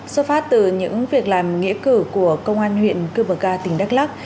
xuất phát từ những việc làm nghĩa cử của công an huyện cư bờ ca tỉnh đắk lắc